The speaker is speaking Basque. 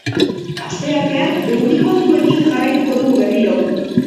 Asteartean euri kontuekin jarraituko dugu berriro.